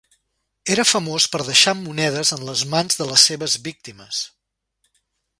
Era famós per deixar monedes en les mans de les seves víctimes.